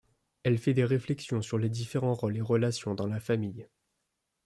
Elle fait des réflexions sur les différents rôles et relations dans la famille.